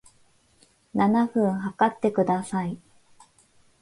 七分測ってください